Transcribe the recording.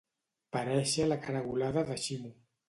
Parèixer la caragolada de Ximo.